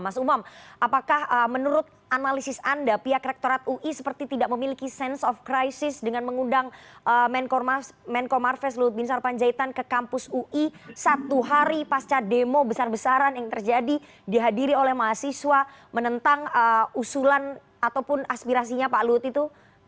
mas umam apakah menurut analisis anda pihak rektorat ui seperti tidak memiliki sense of crisis dengan mengundang menko marves luhut bin sarpanjaitan ke kampus ui satu hari pasca demo besar besaran yang terjadi dihadiri oleh mahasiswa menentang usulan ataupun aspirasinya pak luhut itu